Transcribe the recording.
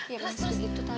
ya pasti gitu tante